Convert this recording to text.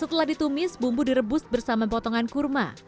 setelah ditumis bumbu direbus bersama potongan kurma